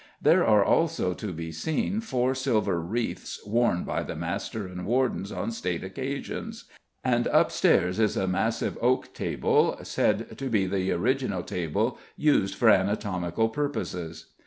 There are also to be seen four silver wreaths worn by the master and wardens on state occasions, and upstairs is a massive oak table said to be the original table used for anatomical purposes.